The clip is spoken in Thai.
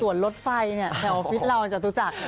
ส่วนรถไฟเนี่ยแถวออฟฟิศเราอาจจะรู้จัก